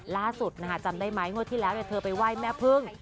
ล่าสุดจำได้ไหมงวดที่แล้วเธอไปไหว้แม่พึ่ง